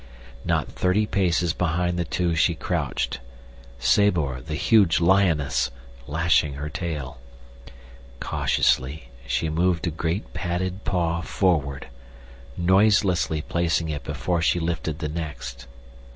Not thirty paces behind the two she crouched—Sabor, the huge lioness—lashing her tail. Cautiously she moved a great padded paw forward, noiselessly placing it before she lifted the next.